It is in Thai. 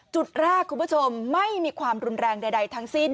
จุดแรกคุณผู้ชมไม่มีความรุนแรงใดทั้งสิ้น